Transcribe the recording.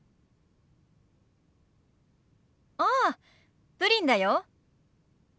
ああプリンだよ。